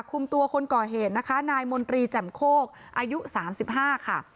คุมตัวคนก่อเหตุนะคะนายมนตรีแจ่มโคกอายุ๓๕ค่ะ